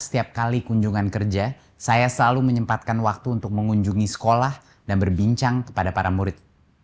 setiap kali kunjungan kerja saya selalu menyempatkan waktu untuk mengunjungi sekolah dan berbincang kepada para murid